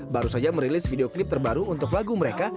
baru saja merilis video klip terbaru untuk lagu mereka